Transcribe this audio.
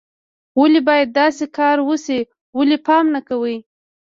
ولې باید داسې کار وشي، ولې پام نه کوئ